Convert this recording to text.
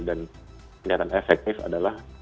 dan kelihatan efektif adalah